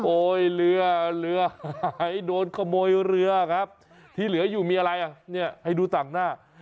โอ้ยเรือหายโดนขโมยเรือครับที่เหลืออยู่มีอะไรให้ดูต่างหน้า